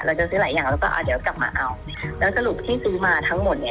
เราจะซื้อหลายอย่างแล้วก็อ่าเดี๋ยวกลับมาเอาแล้วสรุปที่ซื้อมาทั้งหมดเนี่ย